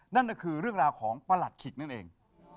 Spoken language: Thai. นั่นก็คือเรื่องราวของประหลัดขิกนั่นเอง